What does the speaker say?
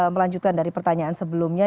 melanjutkan dari pertanyaan sebelumnya